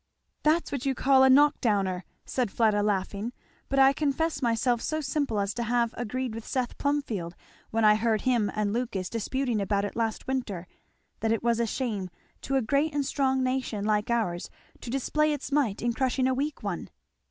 "That's what you call a knock downer," said Fleda laughing. "But I confess myself so simple as to have agreed with Seth Plumfield, when I heard him and Lucas disputing about it last winter, that it was a shame to a great and strong nation like ours to display its might in crushing a weak one."